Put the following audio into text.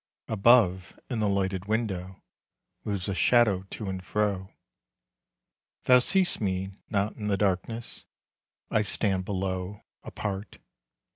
Above, in the lighted window, Moves a shadow to and fro. Thou see'st me not in the darkness, I stand below, apart.